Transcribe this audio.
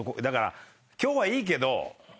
だから今日はいいけど。